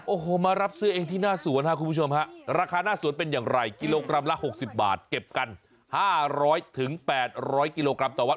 โอ้โหมารับซื้อเองที่หน้าสวนครับคุณผู้ชมฮะราคาหน้าสวนเป็นอย่างไรกิโลกรัมละ๖๐บาทเก็บกัน๕๐๐๘๐๐กิโลกรัมต่อวัน